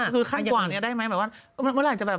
คือคันต์กร่างนี่ได้ไหมเหมือนมันเมื่อไหร่จะแบบ